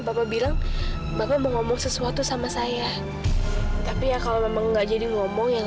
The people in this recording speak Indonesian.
bapak bilang bapak mau ngomong sesuatu sama saya tapi ya kalau memang enggak jadi ngomong yang